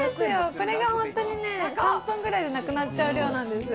これが本当に３分くらいでなくなっちゃう量なんですよ。